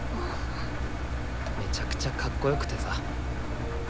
めちゃくちゃかっこよくてさ。